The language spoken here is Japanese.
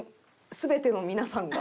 全ての皆さんが？